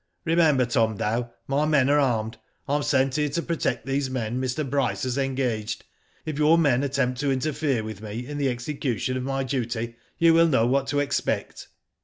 " Remember, Tom Dow, my men are armed. I am sent here to pro tect those men Mr.. Bryce has engaged. If your men attempt to interfere with me in the execution of my duty, you will know what to expect."